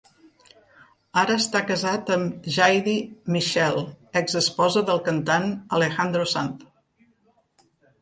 Ara està casat amb Jaydy Michel, ex-esposa del cantant Alejandro Sanz.